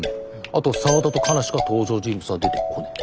あと沢田とカナしか登場人物が出てこねえ。